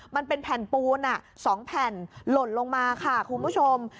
มันเป็นแผ่นปูน๒แผ่นหล่นลงมาค่ะคุณผู้ชม